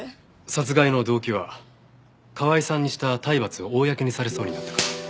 殺害の動機は河合さんにした体罰を公にされそうになったから。